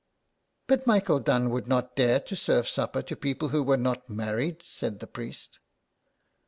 ^* But Michael Dunne would not dare to serve supper to people who were not married," said the priest.